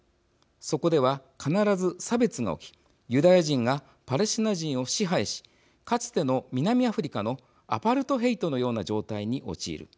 そこでは、必ず差別が起きユダヤ人がパレスチナ人を支配しかつての南アフリカのアパルトヘイトのような状態に陥る。